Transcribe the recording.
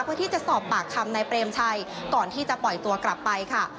เพื่อที่จะสอบปากคำนายเปรมชัยก่อนที่จะปล่อยตัวกลับไปค่ะ